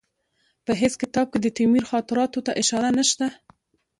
په هېڅ کتاب کې د تیمور خاطراتو ته اشاره نشته.